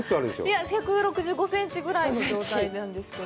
いや、１６５センチぐらいの状態なんですけど。